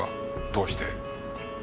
どうして。